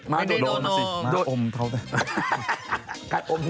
ไม่ได้โดน